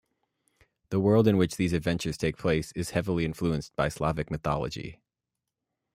The world in which these adventures take place is heavily influenced by Slavic mythology.